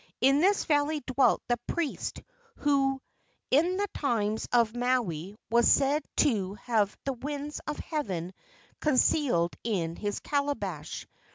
In this valley dwelt the priest who in the times of Maui was said to have the winds of heaven con¬ cealed in his calabash.